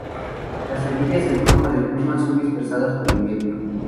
Las semillas en forma de pluma son dispersadas por el viento.